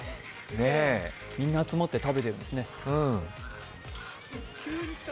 みんな集まって食べてるんですね。